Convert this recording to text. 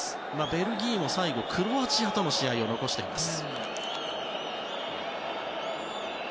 ベルギーも最後クロアチアとの試合を残しています。